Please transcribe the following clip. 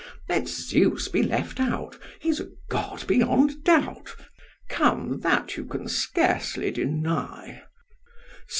STREPS. Let Zeus be left out: He's a God beyond doubt; come, that you can scarcely deny.